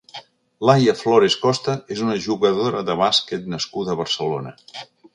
Laia Flores Costa és una jugadora de bàsquet nascuda a Barcelona.